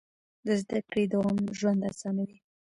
د زده کړې دوام ژوند اسانوي.